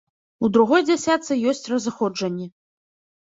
У другой дзясятцы ёсць разыходжанні.